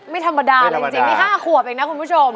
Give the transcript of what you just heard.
ไม่ธรรมดาเลยจริงนี่๕ขวบเองนะคุณผู้ชม